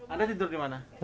anda tidur di mana